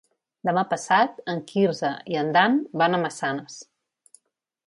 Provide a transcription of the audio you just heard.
Demà passat en Quirze i en Dan van a Massanes.